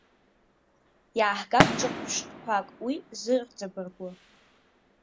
Иааҳгап ҿырԥштәқәак уи зырҵабыргәа.